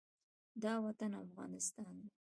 دا وطن افغانستان دی